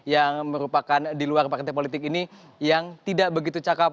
yang merupakan di luar partai politik ini yang tidak begitu cakep